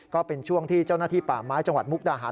ก็เป็นช่วงที่เจ้าหน้าที่ป่าไม้จังหวัดมุกดาหาร